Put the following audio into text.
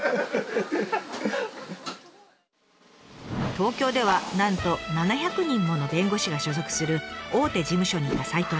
東京ではなんと７００人もの弁護士が所属する大手事務所にいた齋藤さん。